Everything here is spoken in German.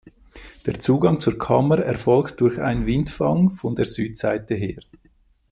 Der Zugang zur Kammer erfolgt durch einen Windfang von der Südseite her.